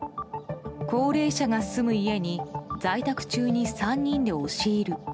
高齢者が住む家に在宅中に３人で押し入る。